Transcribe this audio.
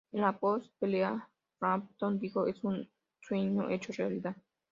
En la post-pelea, Frampton dijo: "Es un sueño hecho realidad.